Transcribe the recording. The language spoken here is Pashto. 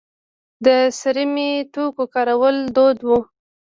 د څرمي توکو کارول دود و